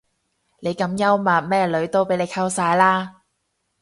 你咁幽默咩女都俾你溝晒啦